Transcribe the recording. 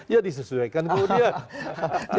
ya disesuaikan kemudian